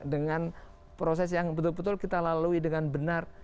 dengan proses yang betul betul kita lalui dengan benar